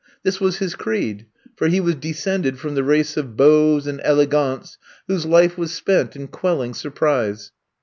This was his creed, for he was descended from the race of beaux and ele gants whose life was spent in quelling surprise.